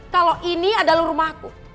kalau ini adalah rumah aku